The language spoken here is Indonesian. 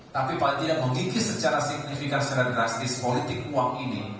tapi paling tidak mengikis secara signifikan secara drastis politik uang ini